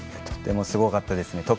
とてもすごかったですね。